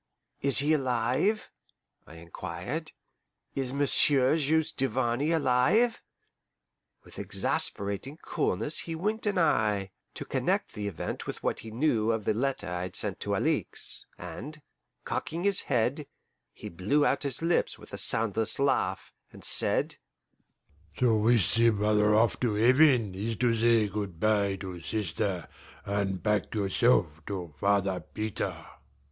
"Is he alive?" I inquired. "Is Monsieur Juste Duvarney alive?" With exasperating coolness he winked an eye, to connect the event with what he knew of the letter I had sent to Alixe, and, cocking his head, he blew out his lips with a soundless laugh, and said: "To whisk the brother off to heaven is to say good bye to sister and pack yourself to Father Peter."